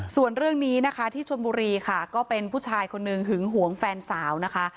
ส่วนเรื่องนี้นะคะที่ชนบุรีค่ะก็เป็นผู้ชายคนหนึ่งหึงหวงแฟนสาวนะคะ